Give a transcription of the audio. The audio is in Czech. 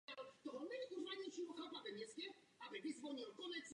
Atmosféra festivalu předznamenala listopadové události v Československu.